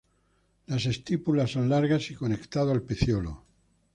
Las estípulas son largas y conectado al pecíolo.